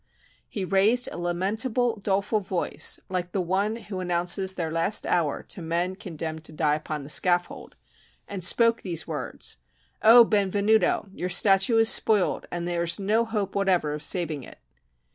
He raised a lamentable, doleful voice, like one who announces their last hour to men condemned to die upon the scaffold, and spoke these words: "O Benvenuto! your statue is spoiled, and there is no hope whatever of saving it."